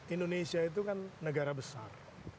indonesia itu kan negara besar